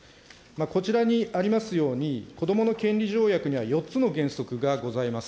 こちらにありますように、子どもの権利条約には４つの原則がございます。